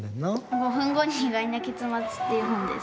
「５分後に意外な結末」っていう本です。